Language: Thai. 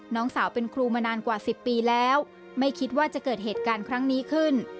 น้องสาวเป็นครูมานานกว่า๑๐ปีแล้วไม่คิดว่าจะเกิดเหตุการณ์ครั้งนี้ขึ้น